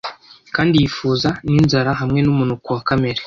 Kandi yifuza ninzara hamwe numunuko wa Kamere